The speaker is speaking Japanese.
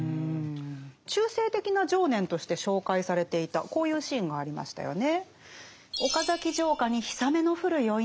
中世的な情念として紹介されていたこういうシーンがありましたよね。